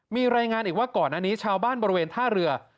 มีรายงานอีกว่าก่อนอันนี้ชาวบ้านบริเวณท่าเรือ